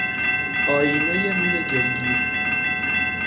آیینهی روی گلگیر